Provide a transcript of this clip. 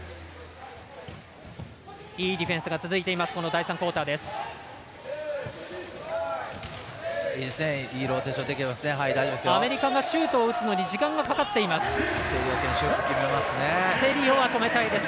いいディフェンスが続いている第３クオーターです。